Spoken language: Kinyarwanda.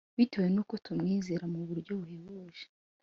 bitewe n’uko tumwizera, muburyo buhebuje